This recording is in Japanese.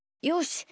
よし！